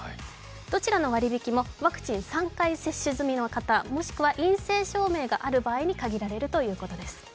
どちらの割引もワクチン３回接種済みの方、もしくは陰性証明がある場合に限られるということです。